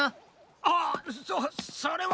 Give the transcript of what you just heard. ああっそそれは。